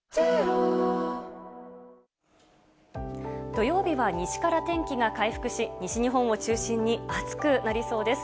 土曜日は西から天気が回復し西日本を中心に暑くなりそうです。